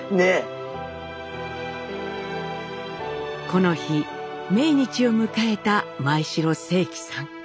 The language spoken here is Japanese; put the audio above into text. この日命日を迎えた前城正祺さん。